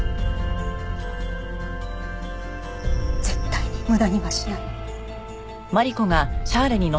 絶対に無駄にはしない。